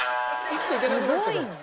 生きていけなくなっちゃうから。